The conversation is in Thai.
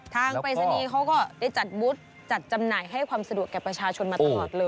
ปริศนีย์เขาก็ได้จัดบุตรจัดจำหน่ายให้ความสะดวกแก่ประชาชนมาตลอดเลย